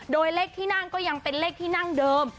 โดยเลขที่นั่งก็ยังเป็นเลขที่นั่งเดิม